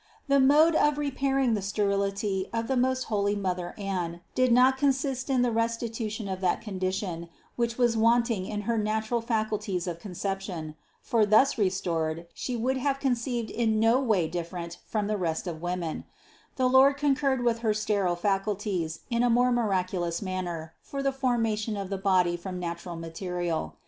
213. The mode of repairing the sterility of the most holy mother Anne did not consist in the restitution of that condition, which was wanting in her natural facul ties of conception; for thus restored, she would have con ceived in no way different from the rest of women; the Lord concurred with her sterile faculties in a more mir aculous manner for the formation of the body from natural material.